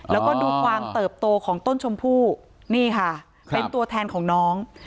แล้วก็ดูความเติบโตของต้นชมพู่นี่ค่ะเป็นตัวแทนของน้อง